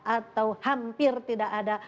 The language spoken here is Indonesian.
atau hampir tidak ada